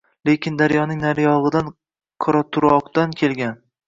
Lekin daryoning nariyog‘idan qoraquroqdan kelgan